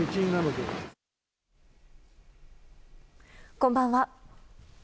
こんばんは。